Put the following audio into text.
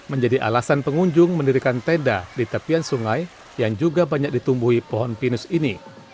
menjadi alasan pengunjung mendirikan tenda di tepian sungai yang juga banyak ditumbuhi pohon pinus ini